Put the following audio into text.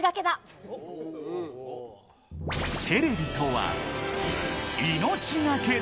テレビとは、命懸けだ。